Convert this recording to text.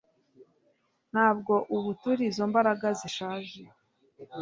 Ntabwo ubu turi izo mbaraga zishaje